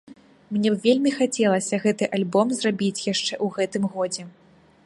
Мне б вельмі хацелася гэты альбом зрабіць яшчэ ў гэтым годзе.